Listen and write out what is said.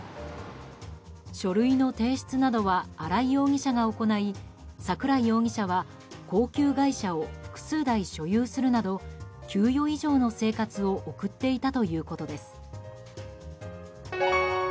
書類の提出などは新井容疑者が行い桜井容疑者は、高級外車を複数台所有するなど給与以上の生活を送っていたということです。